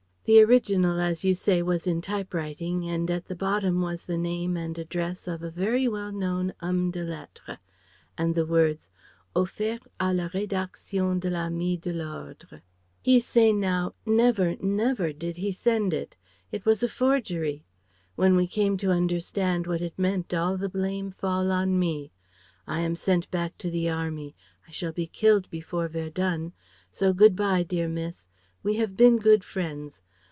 The original, as you say, was in typewriting, and at the bottom was the name and address of a very well known homme de lettres: and the words: 'Offert à la rédaction de l'Ami de L'Ordre.' He say now, never never did he send it. It was a forgery. When we came to understand what it meant all the blame fall on me. I am sent back to the Army I shall be killed before Verdun, so good bye dear Miss We have been good friends.